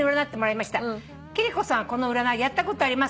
「貴理子さんはこの占いやったことあります？」